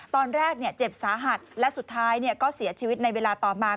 ตอนแรกเจ็บสาหัสและสุดท้ายก็เสียชีวิตในเวลาต่อมา